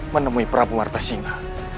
menemui prabu pertasihnya